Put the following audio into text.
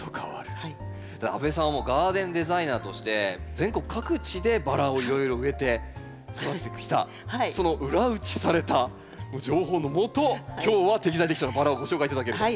阿部さんはガーデンデザイナーとして全国各地でバラをいろいろ植えて育ててきたその裏打ちされた情報のもと今日は適材適所のバラをご紹介頂けると。